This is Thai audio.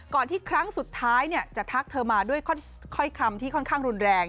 ที่ครั้งสุดท้ายจะทักเธอมาด้วยถ้อยคำที่ค่อนข้างรุนแรง